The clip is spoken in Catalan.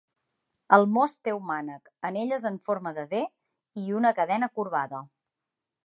El mos té un mànec, anelles en forma de D i una cadena corbada.